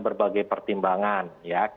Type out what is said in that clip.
berbagai pertimbangan ya